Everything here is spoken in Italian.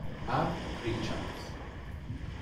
Mark Richards